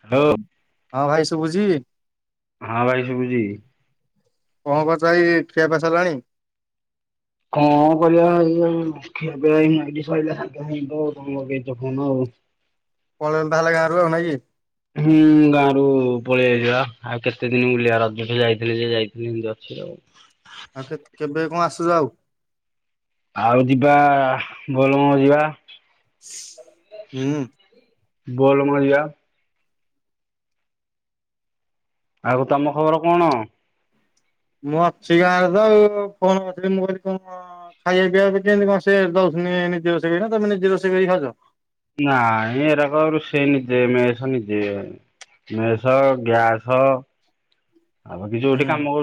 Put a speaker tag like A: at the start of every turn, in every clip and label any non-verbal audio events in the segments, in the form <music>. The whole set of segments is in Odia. A: <inaudible>
B: ହଁ, ଭାଇ ଶୁବୁଚି।
A: ହଁ, ଭାଇ ଶୁବୁ
B: <inaudible>
A: <inaudible>
B: <inaudible>
A: <inaudible> ହ
B: <inaudible>
A: ଆଉ ଯିବା ବୋଲ ଯିବା।
B: <inaudible>
A: <inaudible> ଆଉ ତମ ଖବର କ'ଣ?
B: ମୁଁ ଅଛି ଗାଁରେ ତ ଆଉ, ଫୋନ <inaudible>
A: ନାଇଁ ଏରାକ ରୁଷେଇ ନିଜେ ମେସ ନିଜେ। ମେସ, ଗ୍ୟାସ ଯଉଠି
B: ହୁଁ
A: କାମ ଆଉ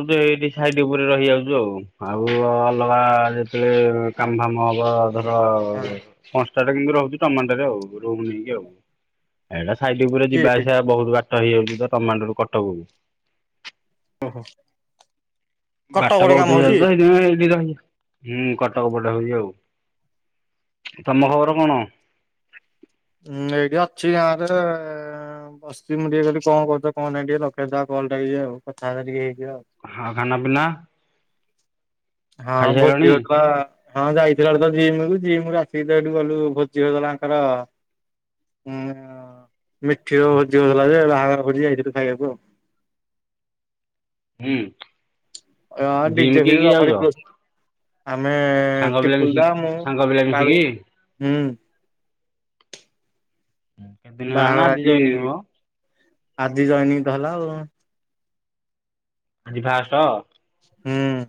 A: ଅଲଗା ଯେତେ--ଳେ
B: ହଁ
A: ହବ। <inaudible> ଏଇଟା ସାଇଟି ଉପୁରେ
B: କିଏ
A: ଯିବା ଆସିବା ବହୁତୁ ବାଟ ହେଇଯାଉଚି ତ କଟକ
B: <inaudible>
A: <inaudible>
B: କଟକ ରେ
A: ତମ
B: କାମ ହଉଛି
A: ଖବର କ'ଣ?
B: <inaudible> <inaudible> <inaudible>
A: ଆଉ ଖାନା ପିନା ଖାଇସାରିଲଣି
B: ହଁ ଯାଇଥିଲା ଜିମ୍ କୁ, ଜିମ୍ ରୁ ଆସିକି ତ ଏଇଠୁ ଗଲୁ ଭୋଜି ହଉଥିଲା ଆଙ୍କର। ଭୋଜି ହଉଥିଲା ଯେ, ବାହାଘର ଭୋଜି ଯାଇଥିଲୁ ଖାଇବାକୁ ଆଉ।
A: <inaudible> ଜିମ୍ କିଏ କିଏ ଯାଉଛ
B: <inaudible> ଆମେ
A: ସାଙ୍ଗ ପିଲା
B: ଟିପୁଲ୍‌ ଦା
A: ମିଶିକି
B: ମୁଁ
A: ସାଙ୍ଗ ପିଲା
B: କାଳୁ
A: ମିଶିକି
B: ହୁଁ।
A: କେତେ ଦିନ ହେଲାଣି ନା
B: ଆଜି,
A: ଜଏନିଂ ମ
B: ଆଜି ଜଏନିଂ ତ ହେଲା ଆଉ।
A: <inaudible>
B: ହୁଁ।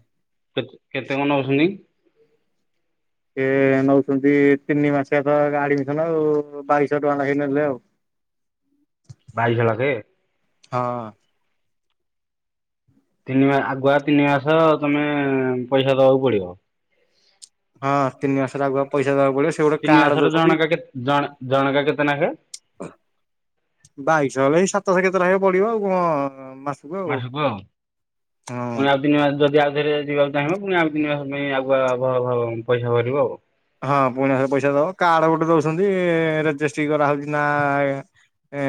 A: <inaudible>
B: ସେ ନଉ--ନ୍ତି ତିନି ମାସିଆ ତ ଆ---ମିସନ ଆଉ ବାଇଶ ଟଙ୍କା ଲେଖେ ନେଲେ ଆଉ। <inaudible>
A: <inaudible>
B: ହଁ!
A: ତିନି ଆଗୁଆ ତିନି ମାସ ତମେ ପଇସା ଦବାକୁ ପଡ଼ିବ।
B: ହଁ, ତିନି ମାସ--ଆଗୁଆ ପଇସା ଦବାକୁ ପ
A: ତିନି ମାସର ଜଣକା କେତେ ଜଣ ଜଣକା କେତେ ନାଖେ?
B: ବାଇଶଶହ ହେଲେ ଏଇ ସାତଶହ କେତେର ହେ ପଡିବ ଆଉ କଣ ମାସ
A: ମାସୁକୁ ଆଉ। ତିି ମାସ ଯଦି ଆଉଥରେ ଯିବାକୁ ଚାହିଁବ, ପୁଣି ଆଉ ତିନି ମାସ ପାଇଁ ଆଗୁଆ ପଇସା ଭରିବ ଆଉ।
B: ହଁ ପୁଣିଥରେ ପଇସା ଦବ କାର୍ଡ ଗୋଟେ ଦଉଛନ୍ତି ରେଜିଷ୍ଟ୍ରି କରାହଉଛି ନା ଏ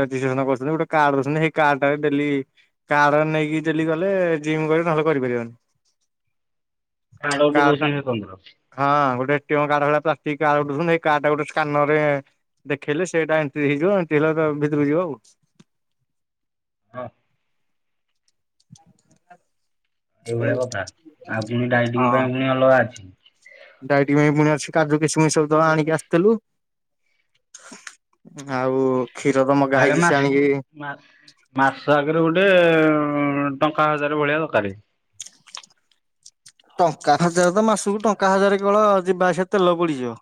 B: ରେଷ୍ଟ୍ରେସନ କରୁଛନ୍ତି, ଗୋଟେ କାର୍ଛନ୍ତି ସେଇ କାର୍ଡ ଡେଲି କାର୍ଡ ନେଇକି ଯ ଗଲେ ଜିମ୍ କରିବ ନହେଲେ କରିପାରିବନି। କାର୍ଡ ଟା
A: <unintelligible> ପନ୍ଦର।
B: ହଁ ଗୋଟେ ପ୍ଲାଷ୍ଟଟା ଗୋଟେ ସ୍କାନର୍ ରେ ଦେଖେଇଲେ ସେଇଟା ଏଣ୍ଟ୍ରି ହେଇଯିବ, ଏଣ୍ଟ୍ରି ହେଲା ଭିତରକୁ ଯିବ ଆଉ।
A: ହଁ
B: <inaudible>
A: ଏଇଭଳିଆ କଥା ଆଉ କି ଡାଇଟିଂ ପାଇଁ ପୁଣି ଅଲଗା ଅଛି।
B: ଡାଇଟିଂ ପାଇଁ ପୁଣି ଆଛି କାଜୁ କିସିମିସ ସବୁତ ଆଣିକି ଆସିଥିଲୁ। ଆଉ କ୍ଷୀର ତ ମଗା
A: ତାହେଲେ
B: ହେଇଛି ସେ
A: ମାସିବ
B: ଆଣିକି
A: ମା ମାସ ଆଗରେ ଗୋଟେ ଟଙ୍କା ହଜାର ଭଳିଆ ଦରକାର।
B: ଟଙ୍କା ହାଜାର ତ ମାସକୁ ଟଙ୍କା ହାଜାର କେବଳ ଯିବା ସେ ତେଲ ପୁଡିଯିବ।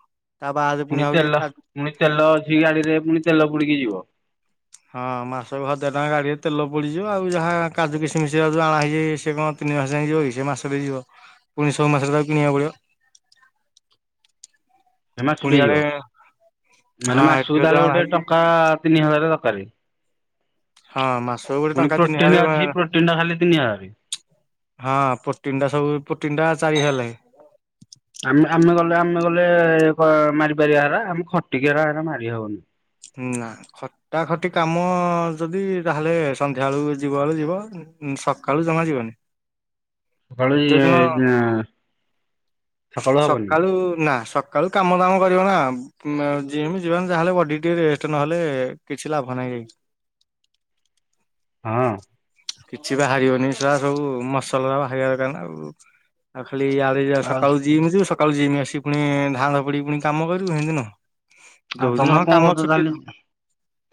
A: ପୁଣି ତେଲ ପୁଣି ତେଲ ଅଛି ଗାଡିରେ ପୁଣି ତେଲ ପୁଡିକି ଯିବ।
B: ହଁ, ମାସକୁ ହଜାର ଟଙ୍କା ଗାଡିରେ ତେଲ ପୋଡିଯିବ, ଆଉ ଯାହା କାଜୁ କିସିମିସ ଯାହା ଆଣା ହେଇଛି ସେ କଣ? ତିନି ମାସ ଯାଇକ ଯିବ କି ସେ ମାସ ବି ଯିବ, ପୁଣି ସବୁ ମାସରେ କିଣିବାକୁ ପଡିବ। <inaudible>
A: ଏ ମାସଟେ
B: ଆଡେ
A: ଯିବ। ମାନେ
B: ହଁ ଏଠି
A: ମାସକୁ
B: ଯୋଉ
A: ତାହେଲେ
B: ଆଣା
A: ଗୋଟେ
B: ହେଇଛି
A: ଟଙ୍କା ତିନି ହଜାର ଦରକାର।
B: ହଁ ମାସକୁ ଗୋଟେ
A: ପୁଣି
B: ଟଙ୍କା ତିନି
A: ପ୍ରୋଟିନ ଅଛି।
B: ହଜାର
A: ପ୍ରୋଟିନ୍ ଟା ଖାଲି ତିନି ହଜାର।
B: ହଁ ପୋଟିନ ଟା ସବୁ ପୋଟିନ ଟା ଚାରି ହଜାର ଲାଗେ।
A: ଆମେ ଆମେ ଗଲେ ଆମେ ଗଲେ ମାରିପାରିବା ହାର ଆମେ ଖଟିକିର ହ ମାରି ହଉନି।
B: ହୁଁ ନା। ଖଟା ଖଟି କାମ ଯଦି ତାହେଲେ ସନ୍ଧ୍ୟା ବେଳୁ ଯିବା ବେଳୁ ଯିବ। ଉ ସକାଳୁ ଜମା ଯିବନି। ଯୋଉଦିନ
A: <unintelligible> ହବନି
B: ସକାଳୁ ନା ସ କା କାମ ଦାମ କରିବ ନା, ଯ ଯିବାନ ଯାହାହେଲେ ବଡି ଟିକେ ରେଷ୍ଟ ନହେଲେ କିଛି ଲାଭ ନାହିଁ ଭାଇ।
A: ହଁ ଅଁ
B: କିଛି ବା ବାହାରିବନି। ସଳା ସବୁ ମସଲ ହାରିକା ବାହାରିବା ଦରକାର ନା ଆଉ ଆଉ ଖାଲି ଆଡେ
A: ଆଉ
B: ସକାଳୁ ଯିମି ଯିବ ସକାଳୁ ଯିଏମି ଆସି ପୁଣି ଧାଁ ଧ ପଡି ପୁଣି କାମ କରିବୁ ସେମିତି ନ
A: ଆଉ ତମେ କଣ କରୁଛ ତାହଲେ।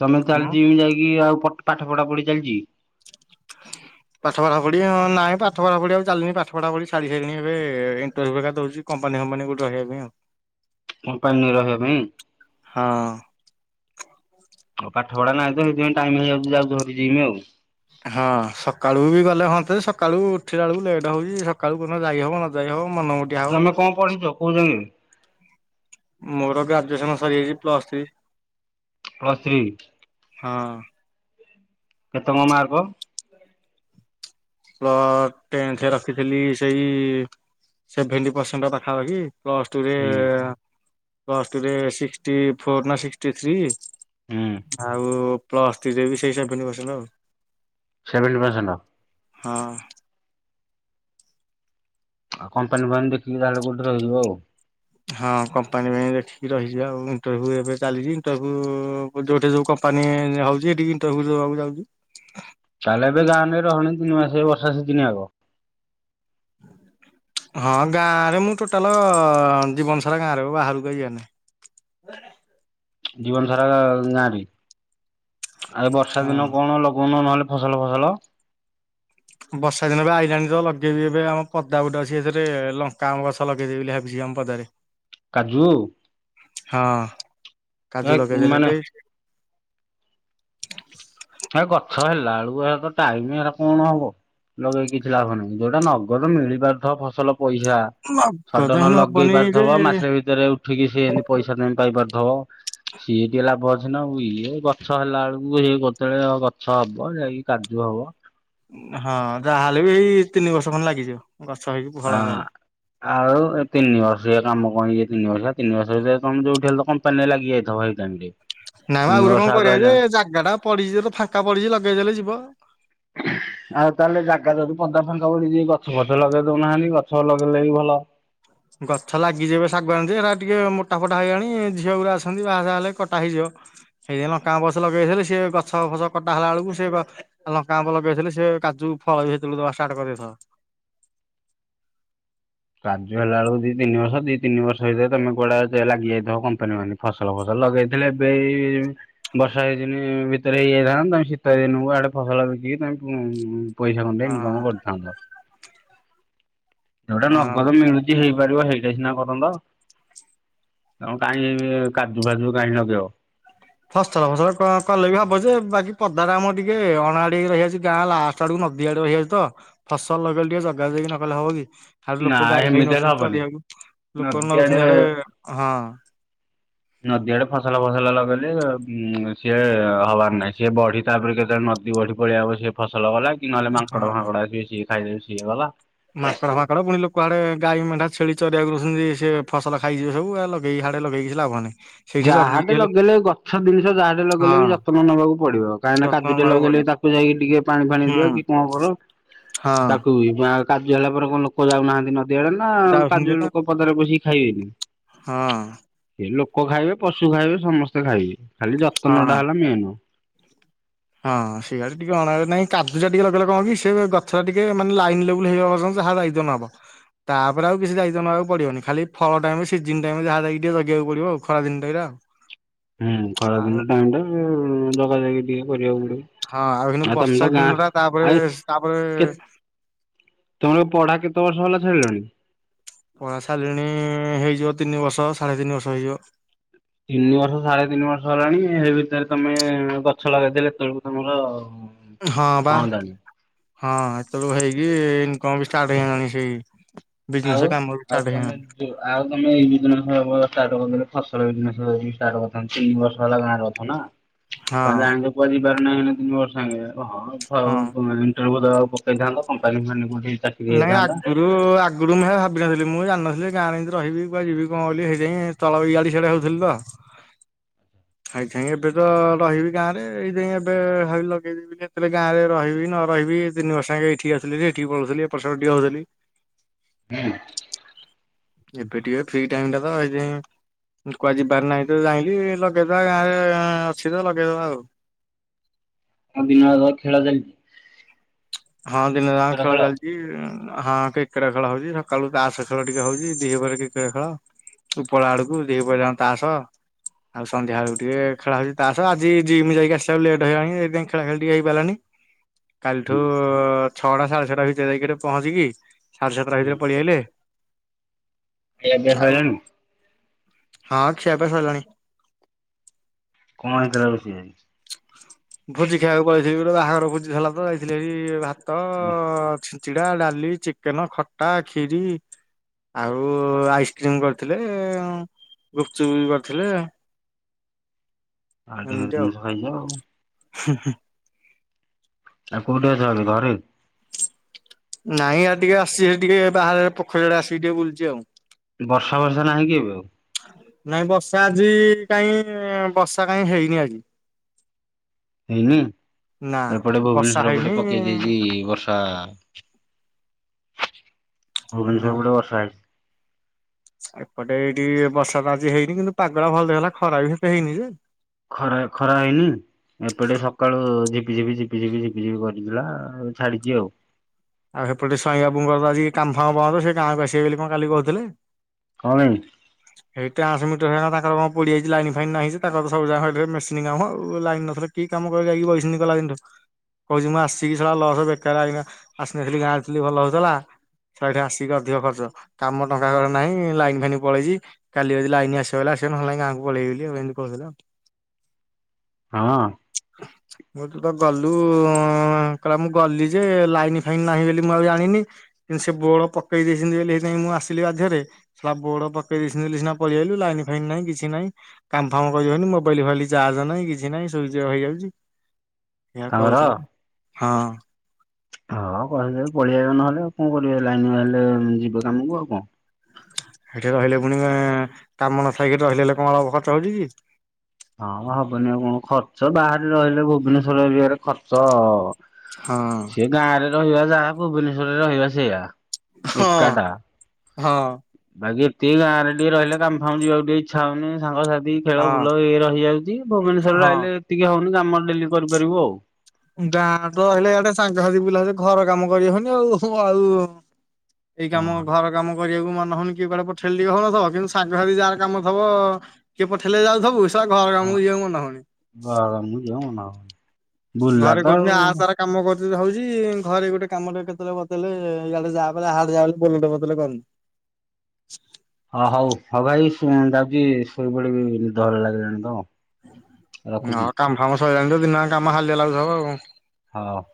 A: ତମେ ତାହଲେ
B: ହୁଁ
A: ଜିମି ଯାଇକି ଆଉ ପାଠ ପଢା ପଢି ଚାଲିଛି।
B: <inaudible> ପାଠ ପଢା ପଡି ହଁ ନାଇଁ ପାଠପଡି ଆଉ ଚାଲିଣି ପାଠ ପଢା ପଡି ଛାଢି ସାରିଲଣି ଏ ଏଣ୍ଟରଭିଉ ହେଇକା ଦଉଛି କମ୍ପାନି ଫମ୍ପାନୀ କୋଉଠି ରହିବା ପାଇଁ ଆଉ।
A: କମ୍ପାନୀ ରେ ରହିବା ପାଇଁ
B: ହଁ
A: ଆଉ ପାଠ ପଢା ନାହିଁ ତ। ସେଥିପାଇଁ ଟାଇମ ହେଇଯାଉଛି ଯାଉଥିଲ ଜିମ ଆଉ।
B: ହଁ ସକାଳୁ ବି ଗଲେ ହନ୍ତେ ସକାଳୁ ଉଠିଲା ବେଳକୁ ଲେଟ ହଉଛି ସକାଳୁ କଣ ଯାଇହବ ନ ଯାଇହବ ମନ ମୁ
A: ତମେ କଣ ପଢିଛ। କୋଉଜାକେ?
B: ମୋର ଗ୍ରାଜୁଏସନ ସରିଯାଇଛି ପ୍ଲସ ଥ୍ରୀ।
A: Plus three.
B: ହଁ ଅ।
A: କେତେ ମ ମାର୍କ?
B: ଟେନଥରେ ରଖିଥିଲି ସେଇ ସେଭେଣ୍ଟି ପରସେଣ୍ଟ ପାଖାପାଖି ପ୍ଲସ ଟୁରେ
A: ହୁଁ
B: ପ୍ଲସଟୁରେ ସିଷ୍ଟୀ ଫୋର୍ ନା ସିକଷ୍ଟି ଥ୍ରୀ।
A: ହୁଁ
B: ଆଉ ପ୍ଲସ ଥ୍ରିରେ ବି ସେଇ ସେଭେନ ପର୍ସେଣ୍ଟ ଆଉ।
A: Seventy percent?
B: ହଁ।
A: କମ୍ପାନୀ ଫମ୍ପାନୀ ଦେଖିକି ତାହେଲେ କୋଉଠି ରହିଯିବ ଆଉ।
B: ହଁ କମ୍ପାନୀ ପାଇଁ ଦେଖିକି ରହିଛି ଆଉ ଇଣ୍ଟରଭ୍ୟୁ ଏବେ ଚାଲିଛି ଇଣ୍ଟରଭ୍ୟୁ ଯୋଉଠି ଯୋଉ କମ୍ପାନୀ ଆଉଛି। ସେଠି ଇଣ୍ଟରଭିୟୁ ଦେବାକୁ ଯାଉଛି।
A: ତାହେଲେ ଏବେ ଗାଁ ରେ ରହନି। ତିିନି ମାସ ବର୍ଷା ସିଜିନ ଆକ।
B: ହଁ ଗାଁ ରେ ମୁଁ ଟୋଟାଲ ଜୀବନ ସାରା ଗାଁ ରେ ବାହାରକୁ ଆଉ ଯିବାର ନାହିଁ।
A: ଜୀବନ ସାରା ଗାଁରେ ଆରେ ବର୍ଷା ଦିନ
B: ହଁ
A: କଣ ଲଗଉନ ନହେଲେ ଫସଲ ଫସଲ।
B: ବର୍ଷା ଦିନ ବି ଆଇଲାଣିତ ଲଗେଇବି ଏବେ ଆମ ପଦା ଗୁଟେ ଅଛି ଏଥିରେ ଲଙ୍କା, ଆମ୍ଭ ଗଛ ଲଗେଇଦେବି ବୋଲି ଭାବୁଛି ଆମ ପଦାରେ। <inaudible>
A: କାଜୁ?
B: ହଁ
A: ହେ
B: କାଜୁ ଲଗେଇଦେଲେ
A: ମାନେ
B: ଏବେ ହ <unintelligible>
A: ଏ ଗଛ ହେଲା ବେଳୁ ହେଲା ତ ଟାଇମ ହେଲା କଣ ହବ। ଲଗେଇକ କିଛି ଲାଭ ନାହିଁ। ଯୋଉଟା ନଗତ ମିଳିପାରୁଥିବ ଫସଲ ପଇସା
B: ନଗଦ
A: ସଡ଼ନ
B: ହେନୁ
A: ଲଗେଇ
B: ହବନି
A: ପାରିଥିବ।
B: ଯେ
A: ମାସେ ଭିତରେ ଉଠିକି ସିଏମିତି ପଇସା ତମେ ପାଇ ପାରୁଥିବ। ସିଏ ଟିକେ ଲାଭ ଅଛି ନା ଆଉ ଇଏ ଗଛ ହେଲା ବେଳକୁ ଇଏ କେତେବେଳେ ଗଛ ହବ ଯାଇକି କାଜୁ ହବ।
B: ହଁ ଯାହାହେଲେ ବି ଏଇ ତିନି ବର୍ଷ ଖଣ୍ଡେ ଲାଗିଯିବ। ଗଛ ହେଇକି ଭଲ
A: ଆ
B: ହେଲାକୁ।
A: ଆଉ ତିନି ବର୍ଷଆ କାମ କଣ ତିନି ବର୍ଷଆ ତିନି ବର୍ଷ ତ ଯୋଉଠି ହେଲେତ କ ମ୍ପାନିରେ ଲାଗିଯାଇଥିବ ଏଇ ଟାଇମରେ।
B: ନାଁମ ଆଉ ଗୋଟେ କଣ କରିବା ଯେ ଜାଗା ଟା ପଡିଛି ଫାଙ୍କା ପଡିଛି ଲଗେଇଦେଲେ ଯିବ।
A: ଆଉ ତାହେଲେ ଜାଗା ଯଦି ପଦା ଫାଙ୍କା ପଡି ଯଦି ଗଛ ଫଛ ଲଗେଇ ଦଉନାହାନ୍ତି ଗଛ ଲଗେଇଲେ ବି ଭଲ।
B: ଗଛ ଲାଗିଯିବ ଶାଗୁଆଣି ଏଟା ଟିକେ ମୋଟା ଫୋଟା ହେଇଗଣି ଝିଅ ଗୁରା ଅଛନ୍ତି ବାହାସାହା ହେଲେ କଟା ହେଇଯିବ। ସେଇଦିନ କାଁ ବସ ଲଗେଇଥିଲେ ସି ଗଛ ଫସ କଟା ହେଲା ବେଳକୁ ସେ ଲଙ୍କା ଆମ୍ବ ଲଗେଇଥିଲେ ସେ କାଜୁ ଫଳ ବି ସେତେବେଳକୁ ଦବା ଷ୍ଟାର୍ଟ କରିଦେଇଥିବ।
A: କାଜୁ ହେଲାବେଳକୁ ଦି ତିନି ବର୍ଷ ଦି ତିନି ବର୍ଷଇଥାଏ ତମ କଳା ଲାଗିଯାଇଥିବ କମ୍ପାନୀ ମାନେ। ଫସଲ ଫସଲ ଲଗେଇଥିଲେ ଏବେ ଏଇ ବର୍ଷା ହେଇନି ଭିତରେ ହେଇଯାଇଥାନ୍ତା ତମେ ଶୀତ ଦିନକୁ ଆଡେ ଫସଲ ବିକି ତମେ ପଇସା ଖଣ୍ଡେ
B: ହଁ
A: ଇନକମ କରିଥାନ୍ତ। ଯୋଉଟା
B: ହଁ।
A: ନଗଦ ମିଳୁଛି ହେଇପାରିବ ସେଇଟା ସିନା କରନ୍ତ। କାହିଁ କାଜୁ ଫାଜୁ କାହିଁ ଲଗେଇବ।
B: ଫସଲ ଫସଲ କ କଲେ ବି ହବଯେ ବାକି ପଦାରେ ଆମର ଟିକେ ଅଣଆଡିଆକି ରହିଯାଉଛି ଗାଁ ଲାଷ୍ଟ ଆଡକୁ ନଦୀ ଆଡେ ରହିଯାଇଛି। ତ ଫସଲ ଲଗେଇଲେ ଟିକେ ଜଗା ଯାଇକି ନ କଲେ ହବ କି। ହାଡେ
A: ନା
B: ଲୋକ ଗାଈ ଫାଇ
A: ହେମିତି ହେଲେ
B: ନଉଛନ୍ତିତ
A: ହବନି
B: ଅବିକା ଲୋକ ନେଉଛନ୍ତି ଆଡେ ହଁ।
A: ନଦୀଆଡେ ଫସଲ ଫସଲ ଲଗେଇଲେ ଉ ସିଏ ହବାର ନାହିଁ। ସିଏ ବଢି ତାପରେ କେତେବେଳେ ନ ନଦୀ ବଡି ପଳେଇ ଆସିବ ସିଏ ଫସଲ ଗଲା କି ନହେଲେ ମାଙ୍କଡ
B: ହଁ।
A: ଫାଙ୍କଡ ଆସିବ ସିଏ ଖାଇଦେଲେ ସିଏ ଗଲା।
B: ମାଙ୍କଡ ଫାଙ୍କଡ ପୁଣି ଲୋକ ଆଡେ ଗାଈ ମେଣ୍ଢା ଛଳି ଚରିବାକୁ ରହୁଛନ୍ତି ସେ ଫସଲ ଖାଇଯିବେ ସବୁ ଏ ହାଡେ ଲଗେଇକି କିଛି ଲାଭ ନାହିଁ। ସେଇଠି ଜଗିକି
A: ଯାହାଟେ
B: ହେଲେ
A: ଲଗେଇଲେ ଗଛ ଜିନିଷ ଯାହାଟେ ଲଗେଇଲେ ବି
B: ହଁ
A: ଯତ୍ନ ନବାକୁ ପଡିବ କାହିଁକି ନା
B: ଯତ୍ନ
A: କାଜୁ ଟେ
B: ନବାକୁ
A: ଲଗେଇଲେ ବି
B: ପଡିବ
A: ତା ତାକୁ ଯାଇକି ଟିକେ ପାଣି ଫାଣି
B: ହୁଁ
A: ଦିଅ କି କଣ କର
B: ହଁ
A: ତାକୁବି ମା କାର୍ଯ୍ୟ ହେଲା ପରେ କଣ ଲୋକ ଯାଉନାହାନ୍ତି ନ ଦେହେନା କାଜୁ
B: ଯାଉଛନ୍ତି ନା
A: ଲୋକ ପଦାରେ ପସିକି ଖାଇବେନି
B: ହଁ
A: ସେ ଲୋ ପୋକ ଖାଇବେ ପଶୁ ଖାଇବେ ସମସ୍ତେ ଖାଇବେ ଖାଲି
B: ହଁ।
A: ଯତ୍ନଟା ହେଲା ମେନ୍।
B: ହଁ ସେଇଆଡେ ଟିକେ ଅଣ ନାଇଁ କାଜୁ ଟିକେ ଲଗେଇଲେ କଣ କି ସେ ଗଛ ଟିକେ ମାନେ ଲାଇନ ଲେବୁଲୁ ହେଇଯିବା ପର୍ଯନ୍ତ ଯାହା ଯାଇ <inaudible> ତାପରେ ଆଉ କିଛି ଦାୟିତ୍ୱ ନବାକୁ ପଡିବନି, ଖାଲି ଫଳ ଟାଇମ୍ ରେ ସିିଜେନ ଟାଇମ୍ ରେ ଯାହା ଯାଇକି ଟିକେ ଜଗିବାକୁ ପଡିବ ଆଉ। ଖରା ଦିନ ଟାଇମ୍ ରେ ଆଉ।
A: ହୁଁ
B: ଆଉ
A: ଖରାଦିନ ଟାଇମ୍ ରେ ଜଗାଜଗି ଟିକେ କରିବାକୁ ପଡିବ।
B: ହଁ ଆଉ ଏଉନୁ
A: ତମେ ତ
B: ବର୍ଷା
A: ଗାଁ
B: ଦିନ ଟା ତାପରେ,
A: ଆଉ କେ
B: ତାପରେ
A: ତମର ପଢା କେତେ ବର୍ଷ ହେଲା ଛାଡ଼ିଲଣି?
B: ପଢା ଛାଡିଲିଣି, ହେଇଯିବ ତିନି ବର୍ଷ ସାଢେ ତିନି ବର୍ଷ ହେଇଯିବ।
A: ତିନି ବର୍ଷ ସାଢେ ତିନି ବର୍ଷ ହେଲାଣି, ଏ ଭିତରେ ତମେ ଗଛ ଲଗେଇଥିଲେ ଏତେବେଳକୁ ତମର
B: ହଁ ବା। ହଁ ଏତେବେଳକୁ ହେଇକି ଇନକମ୍ ବି ଷ୍ଟାର୍ଟ ହେଇଯାଆନ୍ତାଣି, ସେଇ
A: ଆଉ
B: ବିଜନେସ କାମ ବି
A: ଆଉ
B: ଷ୍ଟାର୍ଟ ହେଇ
A: ତମେ ଆଉ ତମେ ଏଇ ବିଜନେସ <unintelligible> ଷ୍ଟାର୍ଟ କରିଥିଲେ ଫସଲ ବିଜନେସ ଷ୍ଟାର୍ଟ ଏଇ କରିଥାନ୍ତ। ତିନି ବର୍ଷ ହେଲା ଗାଁରେ ଅ ଆଛ ନା
B: ହଁ
A: ତମେ ଜାଣିଛ, କୁଆଡେ ଯିବାର ନାହିଁ ଏଇନା ତିନି ବର୍ଷ ଯାଙ୍କେ। ହଁ
B: ହଁ।
A: <unintelligible> ତେଣୁ ବୋଧେ ଆଉ ପକେଇଥାନ୍ତ କମ୍ପାନୀ ଫମ୍ପାନି କୋଉଠି ଚା
B: ନାଇଁ ଆଗରୁ ଆଗରୁ ମୁଁ ଭାବିନଥିଲି ମୁଁ ଜାଣିନଥିଲି, ଗାଁରେ ଏନ୍ତି ରହିବି କୁଆଡେ ଯିବି କଣ ବୋଲି ହେଇଥିଯାଇଁ ତଳ ଏଆଡେ ସିଆଡେ ହଉଥିଲି ତ। ଖାଇ <unintelligible> ଏବେ ତ ରହିବି ଗାଁରେ, ଏଇଥିପାଇଁ ଏବେ ଭାବିଲି ଲଗେଇଦେବିି କେତେବେଳେ ଗାଁରେ ରହିବି ନ ରହିବି। ତିନିବର୍ଷ ଜାଙ୍କେ ଏଠିକି ଆସିକି ଯେ, ଏଠିକି ପଳଉଥିଲି ଏପଟ ସେପଟ ଟିକେ ହଉଥିଲି।
A: ହୁଁ।
B: ଏବେ ଟିକେ ଫ୍ରି ଟାଇମ୍ ଟା ତ ହେଇତି ପାଇଁ ମୁଁ ତ କୁଆଡେ ଯିବାର ନାହିଁ ତ ଯାଇଁଲି, ଲଗେଇଦବା ଗାଁରେ ଅଛି ତ ଲଗେଇଦବା ଆଉ।
A: ମୋ ଦିନଟା ଯାକ ଖେଳ ଚାଲିଛି।
B: ହଁ ଦିନ ଯାଙ୍କ ଖେଳ ଚାଲିଛି। ହଁ କିକ୍ରେଟ ଖେଳ ହଉଛି, ସକାଳୁ ତାସ୍ ଖେଳ ଟିକେ ହଉଛି, ଦିପହରେ କିକ୍ରେଟ ଖେଳ ଉପରବେଳ ଆଡକୁ, ଦିପହର ଯାକ ତାସ୍। ଆଉ ସନ୍ଧ୍ୟା ବେଳକୁ ଟିକେ ଖେଳ ହଉଛି ତାସ୍, ଆଜି ଜିମ୍ ଯାଇକି ଆସିଲା ବେଳକୁ ଲେଟ୍ ହେଇଗଲାଣି। ସେଥିପାଇଁ ଖେଳା ଖେଳି ଟିକେ ହେଇପାରିଲାନି।
A: ହୁଁ
B: କାଲିଠଉ ଛଅଟା ସାଢେ ଛଅଟା ଭିତରେ ଯାଇକି ପହଞ୍ଚିକି ସାଢ଼େ ସାତଟା
A: ହୁଁ
B: ଭିତରେ ପଳେଇ ଆଇଲେ
A: ଖିଆ ପିଆ
B: ଆଉ
A: ସଇଲାଣି?
B: ହଁ ଖିଆ ପିଆ ସଇଲାଣି।
A: କଣ ହେଇଥିଲା ରୋଷେଇ?
B: ଭୋଜି ଖାଇବାକୁ ପଳେଇଥିଲି, ଗୋଟେ ବାହାଘର ଭୋଜି ହେଲା ତ ଯାଇଥିଲ ହେଇ ଭାତ
A: ଓଃ
B: ଚିଡ଼ା, ଡାଲି, ଚିକେନ, ଖଟା, ଖିରି ଆଉ ଆଇସ୍କ୍ରିମ କରିଥିଲେ, ଗୁପଚୁପ ବି କରିଥିଲେ।
A: <unintelligible> ଭଲ ଆଉ।
B: ହୁଁ- ହୁଁ।
A: ଆଉ କୋଉଠି ଅଛ ଏବେ ଘରେ?
B: ନାଇଁ ଆଉ ଟିକେ ଆସିଛି, ସେ ଟିକେ ବାହାରେ ପୋଖରୀଆଡେ ଆସିକି ଟିକେ ବୁଲଛି ଆଉ।
A: ବର୍ଷା ବର୍ଷା ନାହିଁ କି ଏବେ ଆଉ?
B: ନାଇଁ ବର୍ଷା ଆଜି କାଇଁ, ବର୍ଷା କାଇଁ ହେଇନି ଆଜି।
A: ହେଇନି,
B: ନା
A: ଏପଟେ
B: ବର୍ଷା
A: ଭୁବନେଶ୍ଵର
B: ହେଇନି
A: ପଟେ ପକେଇ ଦେଇଛି ବର୍ଷ ବର୍ଷା, ଭୁବନେଶ୍ୱର
B: ହଁ
A: ପଟେ ବର୍ଷା ହେଇଛି।
B: ଏପଟେ ଏଇଠି ବର୍ଷା ତ ଆଜି ହେଇନି, କିନ୍ତୁ ପାଗଟା ଭଲ ଦେଇଥିଲା ଖରା ବି ସେତେ ହେଇନି ଯେ।
A: ଖରା ଖରା ହେଇନି? ଏପଟେ ସକାଳୁ ଝିପିଝିପି ଝିପିଝିପି ଝିପିଝିପି କରିଥିଲା, ଛାଡିଛି ଆଉ।
B: ଆଉ ସେପଟେ ସ୍ୱାଇଁ ବାବୁଙ୍କର ଆଜି କାମଫାମ ବନ୍ଦ, ସେ ଗାଁକୁ ଆସିବେ ବୋଲି କଣ କାଲି କହୁଥିଲେ।
A: କଣ ଏମିତି
B: ହ <inaudible> ଏଇ ଟ୍ରାନ୍ସମିଟର ହେ ତାଙ୍କର କଣ ପୋଡିଯାଇଛି। ଲାଇନ୍ ଫାଇନ୍ ନାହିଁ ଯେ, ତାଙ୍କର ତ ସବୁଯାକ ମେସିନ୍ କାମ ଆଉ। ଲାଇନ ନଥିଲେ କି କାମ କରିବି ଯାଇକି ବଇଛନ୍ତି ଗଲା ଦିନ ଠୁ, କହୁଛି ମୁଁ ଆସିକି ଶଳା ଲସ୍ ବେକାର ଆଇକିନା ଆସିନଥିଲି, ଗାଁରେ ଥିଲି ଭଲ ହଉଥିଲା। ଶଳା ଏଠି ଆସିକି ଅଧିକ ଖର୍ଚ୍ଚ, କାମ ଟଙ୍କାକର ନାହିଁ ଲାଇନ୍ ଫାଇନ୍ ପଳେଇଛି। କାଲି ଯଦି ଲାଇନ ଆସିବ ହେଲେ ଆସିବ, ନହେଲେ ନାଇ ଗାଁକୁ ପଳେଇବି ବେଲି ଏମିତି କହୁଥିଲେ ଆଉ।
A: ହଁ।
B: ମୁଁ ତୁ ତ ଗଲୁ କଇଲା ମୁଁ ଗଲି ଯେ ଲାଇନ ଲାଇନ୍ ନାହିଁ ବୋଲି ମୁଁ ଆଉ ଜାଣିନି କିନ୍ତୁ ସେ ବୋଡ଼ ପକେଇ ଦେଇଛନ୍ତି ବୋଲି ବୋଲି ସେଇଥିପାଇଁ ମୁଁ ଆସିଲି ବାଧିରେ। ତା ବୋଡ ପକେ ଇଦେଇଛନ୍ତି ସିନା ପଳେଇ ଆଇଲୁ ଲାଇନ୍ ଫାଇନ୍ ନାହିଁ କିଛି ନାହିଁ। କାମଫାର୍ମ କରିବନି ମୋବାଇଲ ଫୋବାଇ ଚାର୍ଜ ନାହିଁ କିଛି ନାଇଁ ସୁଇଜି ଅପ୍ ହେଇଯାଉଛି। ସେଇଆ
A: ତାଙ୍କର
B: କହୁଥିଲା ହଁ।
A: ହଁ କଦେବେ ପଳେଇଆଇ ନହେଲେ ଆଉ କଣ କରିବା ଲାଇନ୍ ନହେଲେ ଯିବେ କାମକୁ ଆଉ କଣ।
B: ହେଠିକୁ ଆହିଲେ ପୁଣି କାମ ନଥାଇକି ରହିଗଲେ କଣ ଖର୍ଚ୍ଚ ହଉଚ କି?
A: ହଁ ମୋ ହବନି ଆଉ କଣ ଖର୍ଚ୍ଚ ବାହାରେ ରହିଲେ ଭୁବନେଶ୍ୱର ଏରିଆରେ ଖର୍ଚ ଚ
B: ହଁ।
A: ସେଇ ଗାଁ ରେ ରହିବା ଯାହା ଭୁବନେଶ୍ୱରରେ ରହିବା ସେଇଆ।
B: ହଁ
A: ଏକାଟା।
B: ହଁ।
A: ବାକି ଏତିକି ଗାଁରେ ଟିକେ ରହିଲେ କାମ ଫାମ ଯିବାକୁ ଟିକେ ଇଛା ହଉନି ସାଙ୍ଗସାଥି ଖେଳ ବୁଲ
B: ହଁ
A: ଇଏ ରହିଯାଉଛି ଭୁବନେଶୂର ରୁ
B: ହଁ।
A: ଆଇଲେ ଏତିକି ହଉନି କାମ ଡେଲି କରିପାରିବୁ ଆଉ।
B: ଗାଁ ତ ହେଲେ ଏଆଡେ ସାଙ୍ଗାତିକି ପିଲା ଯେ ଘର କାମ କରିହଉନି ଆଉ ଆଉ ଏଇ କାମ
A: ହଁ।
B: ଘର କାମ କରିବାକୁ ମନ ହଉନି କି କୁଆଡେ ପଠେଇଲେ ଟିକେ ହଉନଥିବ କିନ୍ତୁ ସାଙ୍ଗସାାଥି ଯାହାର କାମ ଥିବ କିଏ ପଠେଇଲେ ଯାଉଥିବ। ତା ଘର କାମକୁ ଯିବା କୁ ମନହଉନି।
A: ବା ମୁଁ ଯିବାକୁ ମନା କରୁଚି
B: ଘରେ
A: ବୁଲିଲାତ
B: କହୁଛନ୍ତି
A: ଆଉ।
B: ଆ ସାରା କାମ କରୁଛୁ ଭାବୁଛି ହଉଛି ଘରେ ଗୋଟେ କାମ ଟେ କେତେବେଳେ ବତେଇଲେ ଇଆଡ଼େ ଯାହାଲେ ବୋଲଟେ ବତେଇଲେ କରୁନୁ।
A: ହଁ ହଉ ହଉ ଭାଇ ଶ ଯାଉଛି ଶୋଇପଡ଼ିବି ନିଦ ଲାଗିଲାଣି ତ। ରଖୁଛି।
B: ହଁ କାମ ଫାମ ସରିଲାଣି ଦିନ ଜାଙ୍କ କାମ ହାଲିଆ ଲାଗୁଥିବ ଆଉ।
A: ହଁ।